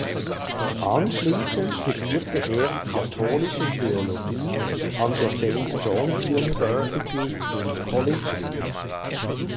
Anschließend studierte er Katholische Theologie an der Saint John’s University in Collegeville.